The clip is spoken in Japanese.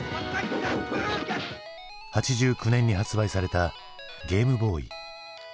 ８９年に発売されたゲームボーイ。